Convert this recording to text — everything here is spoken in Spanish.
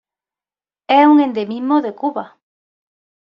Es un endemismo de Cuba.